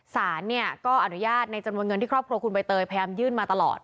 สารเนี่ยก็อนุญาตในจำนวนเงินที่ครอบครัวคุณใบเตยพยายามยื่นมาตลอด